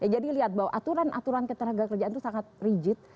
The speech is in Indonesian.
jadi lihat bahwa aturan aturan ketenagaan kerja itu sangat rigid